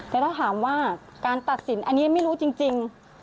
แต่ถ้าถามว่าการตัดสินอันนี้ไม่รู้จริง